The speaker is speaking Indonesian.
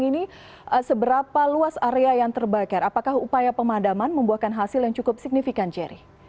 di sekeliling kabupaten majalengka